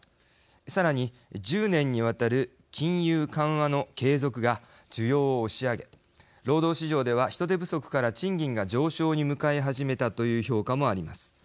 さらに１０年にわたる金融緩和の継続が需要を押し上げ労働市場では人手不足から賃金が上昇に向かい始めたという評価もあります。